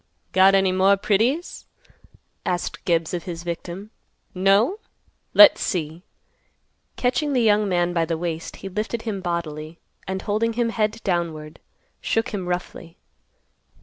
"Got any more pretties!" asked Gibbs of his victim. "No? Let's see." Catching the young man by the waist, he lifted him bodily, and, holding him head downward, shook him roughly.